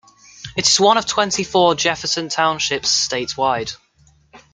It is one of twenty-four Jefferson Townships statewide.